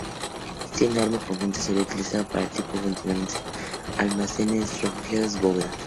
Este enorme conjunto sería utilizado para todo tipo de funciones, almacenes, refugios, bodegas.